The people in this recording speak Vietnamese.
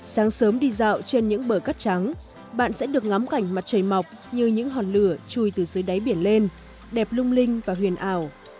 sáng sớm đi dạo trên những bờ cắt trắng bạn sẽ được ngắm cảnh mặt trời mọc như những hòn lửa chui từ dưới đáy biển lên đẹp lung linh và huyền ảo